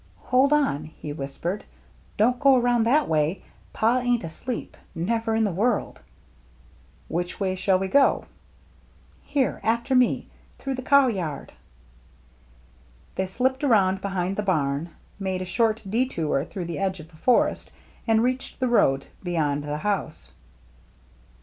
" Hold on," he whispered; " don't go around that way. Pa ain't asleep, never in the world !"" Which way shall we go ?"" Here — after me — through the cow yard." They slipped around behind the barn, made a short detour through the edge of the forest, and reached the road beyond the house.